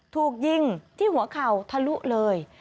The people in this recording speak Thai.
ถูกยิงที่หัวเข่าทะลุเลย